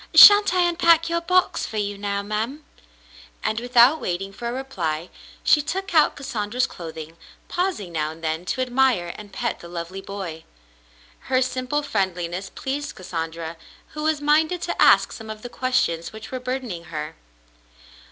" Shan't I unpack your box for you now, ma'm ?'* And, without waiting for a reply, she took out Cassandra's 278 The Mountain Girl clothing, pausing now and then to admire and pet the lovely boy. Her simple friendliness pleased Cassandra, who was minded to ask some of the questions which were burdening her.